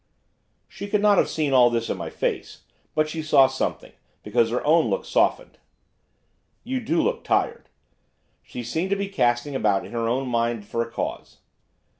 She could not have seen all this in my face; but she saw something because her own look softened. 'You do look tired.' She seemed to be casting about in her own mind for a cause.